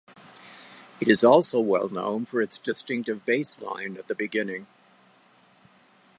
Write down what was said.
It is also well known for its distinctive bass line at the beginning.